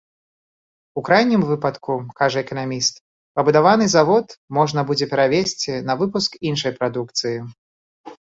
У крайнім выпадку, кажа эканаміст, пабудаваны завод можна будзе перавесці на выпуск іншай прадукцыі.